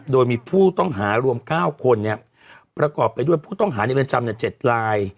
โดยมีผู้ต้องหารวม๙คนประกอบไปด้วยผู้ต้องหาในเรือนจำ๗ลาย